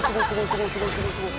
すごいすごいすごいすごい！